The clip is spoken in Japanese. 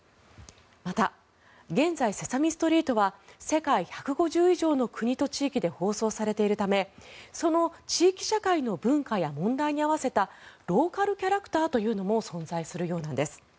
また現在「セサミストリート」は世界１５０以上の国と地域で放送されているためその地域社会の文化や問題に合わせたローカルキャラクターというのも存在するようなんです。